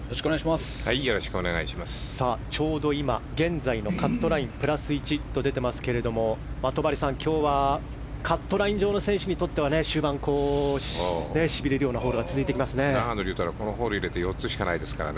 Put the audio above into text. ちょうど今、現在のカットラインプラス１と出ていますが戸張さん、今日はカットライン上のとっては終盤、しびれるようなホールが続いていきますね。